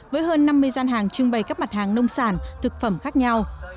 với hơn năm mươi gian hàng trưng bày các mặt hàng nông sản thực phẩm khác nhau